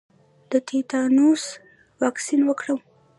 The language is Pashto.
د تیتانوس واکسین وکړم؟